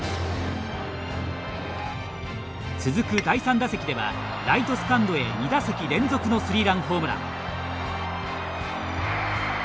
続く第３打席ではライトスタンドへ２打席連続のスリーランホームラン。